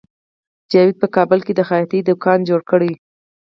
جاوید په کابل کې د خیاطۍ دکان جوړ کړ